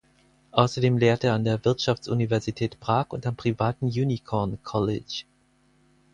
Außerdem lehrt er an der Wirtschaftsuniversität Prag und am privaten Unicorn College.